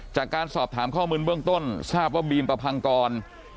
จากการสอบถามข้อมูลเบื้องต้นทราบว่าบีมประพังกร